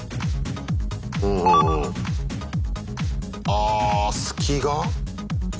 あ隙が？